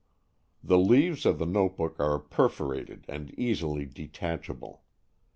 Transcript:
The leaves of the notebook are perforated and easily detachable.